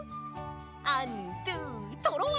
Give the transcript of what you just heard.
アンドゥトロワ！